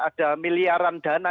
ada miliaran dana